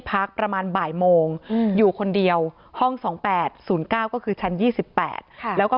พักประมาณบ่ายโมงอยู่คนเดียวห้อง๒๘๐๙ก็คือชั้น๒๘แล้วก็